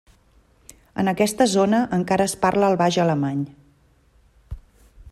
En aquesta zona, encara es parla el baix alemany.